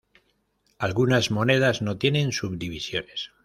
Algunas monedas no tienen subdivisiones.